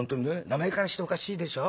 名前からしておかしいでしょ？